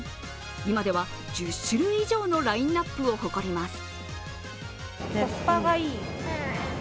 今では１０種類以上のラインナップを誇ります。